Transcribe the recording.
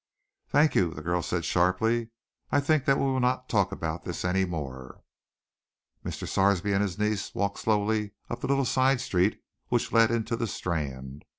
"Thank you," the girl said sharply, "I think that we will not talk about this any more." Mr. Sarsby and his niece walked slowly up a little side street which led into the Strand.